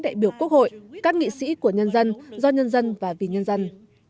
đại biểu quốc hội các nghị sĩ của nhân dân do nhân dân và vì nhân dân